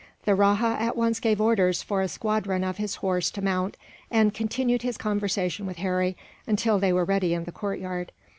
The rajah at once gave orders for a squadron of his horse to mount, and continued his conversation with Harry until they were ready in the courtyard.